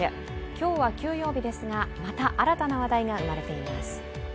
今日は休養日ですがまた新たな話題が生まれています。